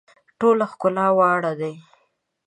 ټوله ښکلا واړه دي.